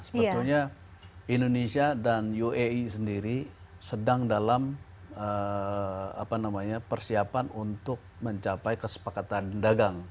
sebetulnya indonesia dan uae sendiri sedang dalam persiapan untuk mencapai kesepakatan dagang